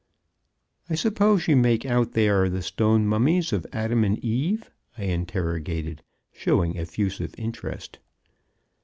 "I suppose you make out they are the stone mummies of Adam and Eve?" I interrogated, showing effusive interest.